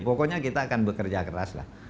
pokoknya kita akan bekerja keras lah